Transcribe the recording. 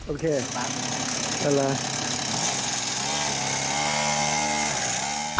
โอเคไปเลย